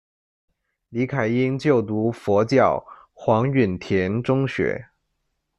李凯茵就读佛教黄允畋中学。